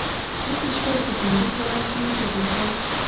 پاتې شوه د جنګي کلا جنوبي برخه.